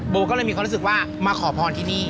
ก็เลยมีความรู้สึกว่ามาขอพรที่นี่